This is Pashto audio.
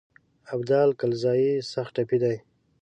ابدال کلزايي سخت ټپي دی.